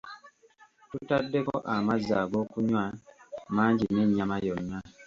Tutaddeko amazzi ag'okunywa mangi n'ennyama yonna.